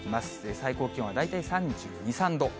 最高気温は大体３２、３度。